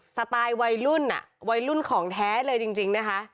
สไตล์วัยรุ่นอะวัยรุ่นของแท้เลยจริงนะคะ